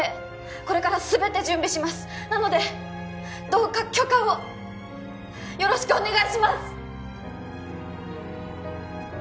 これからすべて準備しますなのでどうか許可をよろしくお願いします！